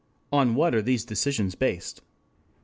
On what are these decisions based?